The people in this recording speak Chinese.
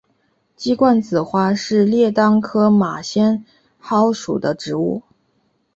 鸡冠子花是列当科马先蒿属的植物。